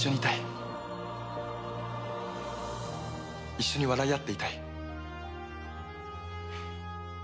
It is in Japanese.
一緒に笑い合っていたい。